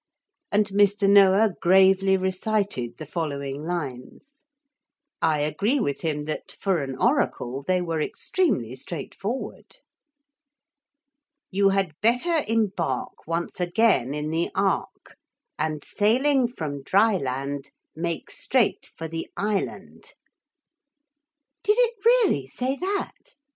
And Mr. Noah gravely recited the following lines. I agree with him that, for an oracle, they were extremely straightforward. 'You had better embark Once again in the Ark, And sailing from dryland Make straight for the Island.' 'Did it really say that?'